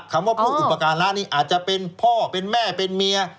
คำว่าผู้อุปการะนี้อาจจะเป็นพ่อเป็นแม่เป็นเมีย